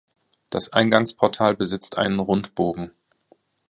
Das Eingangsportal besitzt einen Rundbogen.